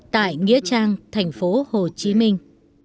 tại nghĩa trang thành phố hồ chí minh